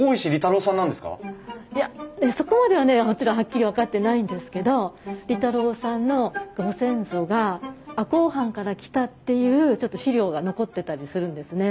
いやそこまではねもちろんはっきり分かってないんですけど利太郎さんのご先祖が赤穂藩から来たっていうちょっと資料が残ってたりするんですね。